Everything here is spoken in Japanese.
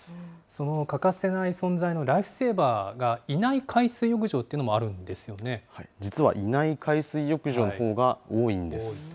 その欠かせない存在のライフセーバーがいない海水浴場という実はいない海水浴場のほうが多いんです。